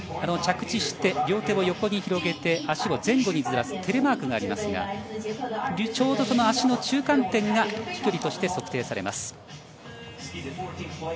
着地して、両手を横に広げて足を前後にずらすテレマークがありますがちょうど足の中間点が飛距離として測定されます。